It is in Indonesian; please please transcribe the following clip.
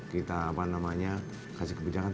kita apa namanya kasih kebijakan